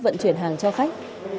vận chuyển hàng cho khách